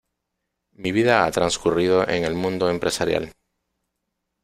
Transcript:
Mi vida ha transcurrido en el mundo empresarial.